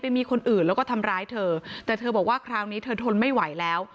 มีคนอื่นแล้วก็ทำร้ายเธอแต่เธอบอกว่าคราวนี้เธอทนไม่ไหวแล้ว